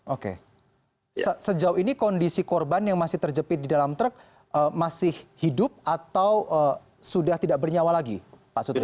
oke sejauh ini kondisi korban yang masih terjepit di dalam truk masih hidup atau sudah tidak bernyawa lagi pak sutris